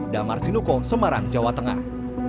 damar sinuko semarang jawa tengah